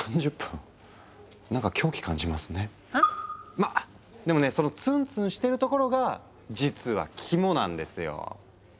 まあでもねそのツンツンしてるところが実はキモなんですよ。